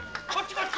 こっちだ。